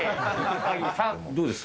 どうですか？